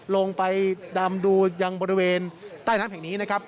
ลงไปดำดูยังบริเวณใต้น้ำแห่งนี้นะครับ